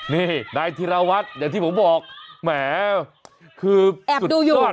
นี่นายธิรวัตรอย่างที่ผมบอกแหมคือแอบดูอยู่ก่อน